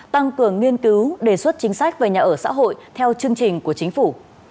tăng cường nghiên cứu đề xuất chính sách về nhà ở xã hội theo chương trình của chính phủ